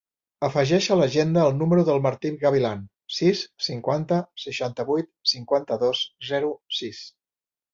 Afegeix a l'agenda el número del Martí Gavilan: sis, cinquanta, seixanta-vuit, cinquanta-dos, zero, sis.